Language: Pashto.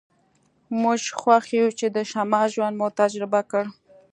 موږ خوښ یو چې د شمال ژوند مو تجربه کړ